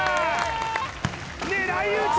狙い撃ち！